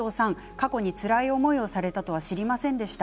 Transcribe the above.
過去につらい思いをされたと知りませんでした。